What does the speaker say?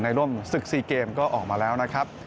ร่วมศึก๔เกมก็ออกมาแล้วนะครับ